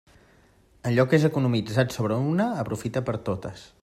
Allò que és economitzat sobre una aprofita per a totes.